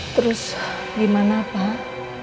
terus gimana pak